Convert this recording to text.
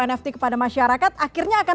nft kepada masyarakat akhirnya akan